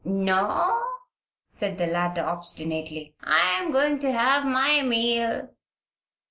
"No," said the latter, obstinately. "I am going to have my meal."